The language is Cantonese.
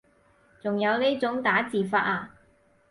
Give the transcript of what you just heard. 仲有呢種打字法啊